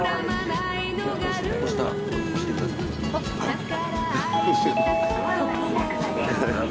あっ。